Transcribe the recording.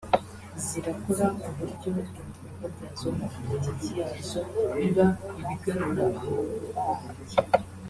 zirakora ku buryo ibikorwa byazo na politiki yazo biba ibigarura amahoro arambye